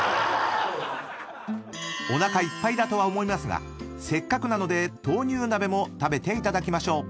［おなかいっぱいだとは思いますがせっかくなので豆乳鍋も食べていただきましょう］